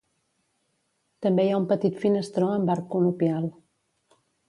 També hi ha un petit finestró amb arc conopial.